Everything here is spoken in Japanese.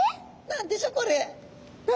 何でしょこれ？